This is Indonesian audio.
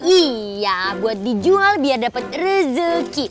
iya buat dijual biar dapat rezeki